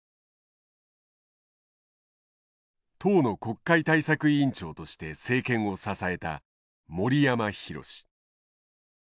党の国会対策委員長として政権を支えた森山裕。